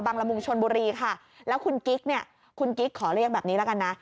บางระมุงชวนบุรีแล้วคุณกิ๊กขอเรียงแบบนี้แล้วกันนะ